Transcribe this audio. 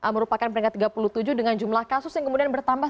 merupakan peringkat tiga puluh tujuh dengan jumlah kasus yang kemudian bertambah